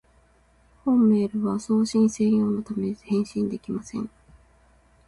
本メールは送信専用のため、返信できません